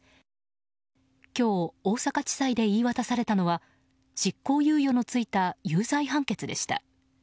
今日、大阪地裁で言い渡されたのは執行猶予のついた有罪判決でした。